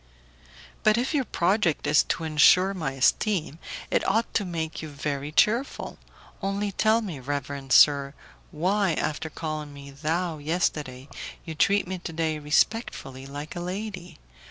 "But if your project is to insure my esteem it ought to make you very cheerful. Only tell me, reverend sir, why, after calling me 'thou' yesterday, you treat me today respectfully, like a lady?